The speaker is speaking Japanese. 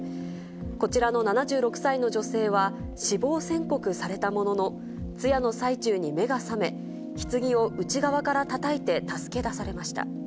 こちらの７６歳の女性は、死亡宣告されたものの、通夜の最中に目が覚め、ひつぎを内側からたたいて助け出されました。